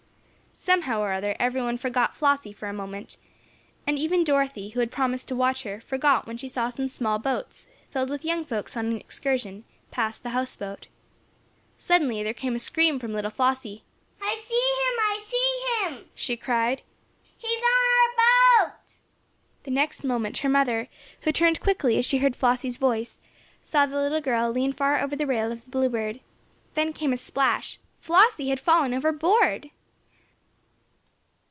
Somehow or other, every one forgot Flossie for a moment, and even Dorothy, who had promised to watch her, forgot when she saw some small boats, filled with young folks on an excursion, pass the houseboat. Suddenly there came a scream from little Flossie. "I see him! I see him!" she cried. "He's on our boat!" The next moment her mother, who turned quickly as she heard Flossie's voice, saw the little girl lean far over the rail of the Bluebird. Then came a splash. Flossie had fallen overboard!